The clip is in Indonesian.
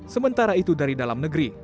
sementara itu dari dalam negeri